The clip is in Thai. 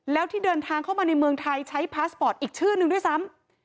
แล้วที่เดินทางเข้ามาในเมืองไทยใช้พาสปอร์ตอีกชื่อนึงด้วยซ้ำ